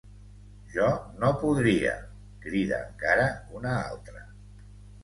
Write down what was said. Jo no podria —crida encara una altra.